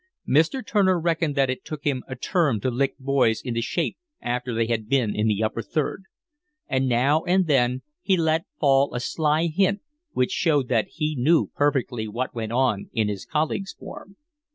Mr. Turner reckoned that it took him a term to lick boys into shape after they had been in the Upper Third; and now and then he let fall a sly hint, which showed that he knew perfectly what went on in his colleague's form.